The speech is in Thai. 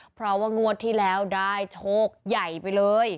เพราะว่างวดที่แล้วได้โชคใหญ่ไปเลย